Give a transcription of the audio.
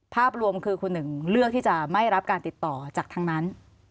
ภาพรวมคือคุณหนึ่งเลือกที่จะไม่รับการติดต่อจากทางนั้น